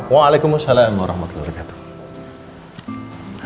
waalaikumsalam warahmatullahi wabarakatuh